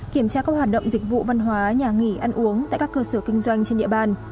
kiểm tra các hoạt động dịch vụ văn hóa nhà nghỉ ăn uống tại các cơ sở kinh doanh trên địa bàn